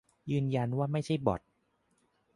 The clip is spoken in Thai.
ยืนยันว่าไม่ใช่บ็อต